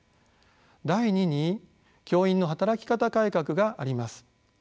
第二に教員の働き方改革があります。